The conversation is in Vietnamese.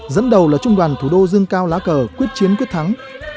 dẫn đầu là trung đoàn thủ đô dương cao lá cờ quyết chiến quyết thắng